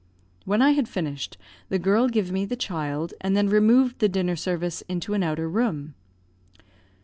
When I had finished, the girl give me the child, and then removed the dinner service into an outer room.